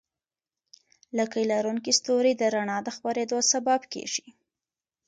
لکۍ لرونکي ستوري د رڼا د خپرېدو سبب کېږي.